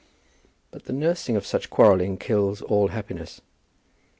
But the nursing of such quarrelling kills all happiness.